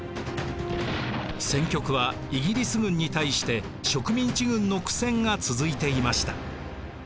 戦局はイギリス軍に対して植民地軍の苦戦が続いていました。